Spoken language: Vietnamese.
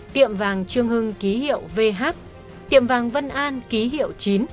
tiệm vàng trương hưng ký hiệu vh tiệm vàng vân an ký hiệu chín